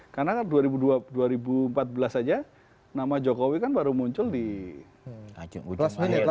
karena kan dua ribu empat belas aja nama jokowi kan baru muncul jadi kita bisa berubah juga ya jadi kita bisa berubah juga ya